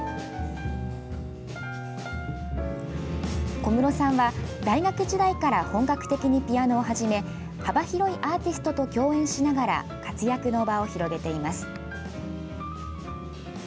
小室さんは、大学時代から本格的にピアノを始め幅広いアーティストと共演しながら活躍の場を広げています。